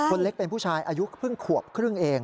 คนเล็กเป็นผู้ชายอายุเพิ่งขวบครึ่งเอง